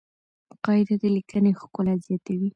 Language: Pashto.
قاعده د لیکني ښکلا زیاتوي.